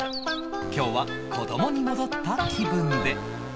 今日は子供に戻った気分で